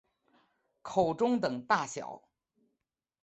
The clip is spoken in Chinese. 口中等大小。